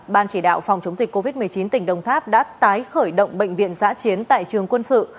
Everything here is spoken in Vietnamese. ban chỉ đạo phòng chống dịch covid một mươi chín tỉnh đồng tháp đã tái khởi động bệnh viện giã chiến tại trường quân sự